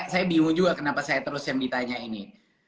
saya bingung juga kenapa saya terus yang ditanya ini